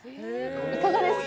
いかがですか？